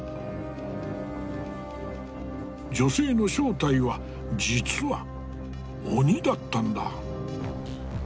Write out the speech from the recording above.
女性の正体は実は鬼だったんだ。